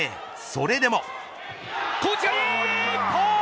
それでも。